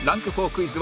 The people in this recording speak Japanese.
クイズ。